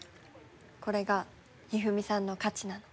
これがひふみさんの価値なの。